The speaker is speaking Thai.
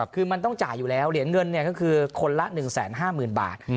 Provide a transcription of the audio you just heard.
คือมันต้องจ่ายอยู่แล้วเหรียญเงินก็คือคนละ๑๕๐๐๐บาท